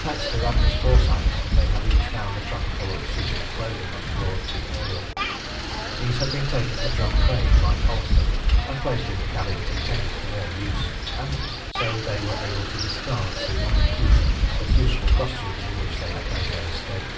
Thanks to Radna's foresight, they had each found a trunk full of suitable clothing on board the Ariel. These had been taken to Drumcraig by Colston, and placed in the cabins intended for their use, and so they were able to discard the uncouth but useful costumes in which they had made their escape.